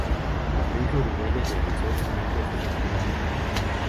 La prensa uruguaya realizó una amplia cobertura del tema.